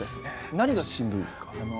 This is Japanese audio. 何がしんどいんですか？